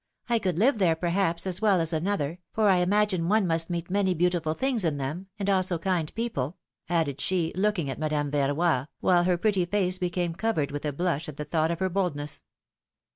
could live there, perhaps, as well as another, for I imagine one must meet many beautiful things in them, and also kind people,^^ added she, looking at Madame Verroy, while her pretty face became covered with a blush at the thought of her boldness.